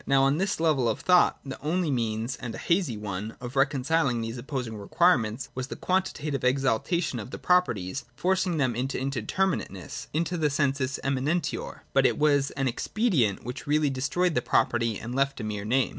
Now on this level of thought the only means, and a hazy one, of reconciling these op posing requirements was quantitative exaltation of the properties, forcing them into indeterminateness, — into the sensus eminentior. But it was an expedient which really destroyed the property and left a mere name.